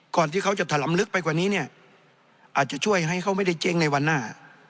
ที่เขาจะถลำลึกไปกว่านี้เนี่ยอาจจะช่วยให้เขาไม่ได้เจ๊งในวันหน้า